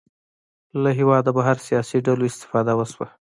له هېواده بهر سیاسي ډلو استفاده وشوه